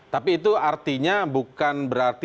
tapi itu artinya bukan berarti